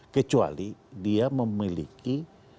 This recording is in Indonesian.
kecuali dia memiliki